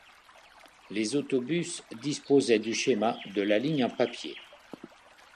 Les autobus disposaient du schéma de la ligne en papier.